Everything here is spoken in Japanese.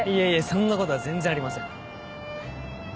そんなことは全然ありません。